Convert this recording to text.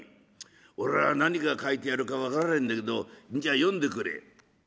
「俺は何が書いてあるか分からねえんだけどじゃあ読んでくれ」。